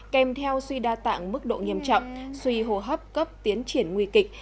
kèm theo suy đa tạng mức độ nghiêm trọng suy hồ hấp cấp tiến triển nguy kịch